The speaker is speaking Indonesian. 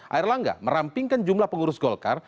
air langga merampingkan jumlah pengurus golkar